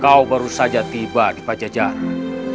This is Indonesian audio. kau baru saja tiba di pajajaran